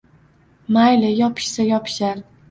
— Mayli, yopishsa yopishar.